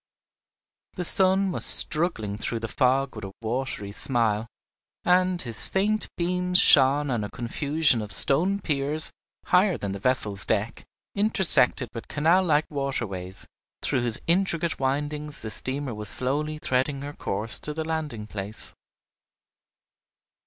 The sun was struggling through the fog with a watery smile, and his faint beams shone on a confusion of stone piers, higher than the vessel's deck, intersected with canal like waterways, through whose intricate windings the steamer was slowly threading her course to the landing place.